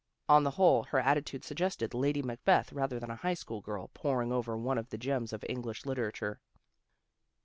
On the whole, her attitude suggested Lady Macbeth rather than a high school girl, poring over one of the gems of English literature.